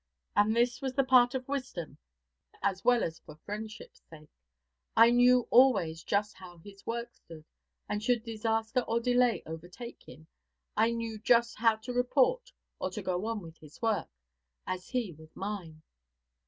And this was the part of wisdom as well as for friendship's sake. I knew always just how his work stood, and should disaster or delay overtake him, I knew just how to report or to go on with his work, as he with mine.